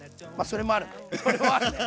それもあるね。